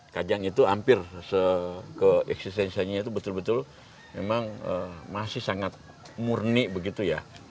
kajang itu hampir seeksistensianya itu betul betul memang masih sangat murni begitu ya